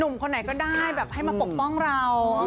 หนุ่มคนไหนก็ได้ใช้มาปกป้องเรา